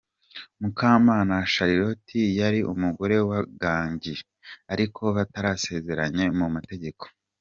Mukamana Charlotte yari umugore wa Gangi ariko batarasezeranye mu mategeko.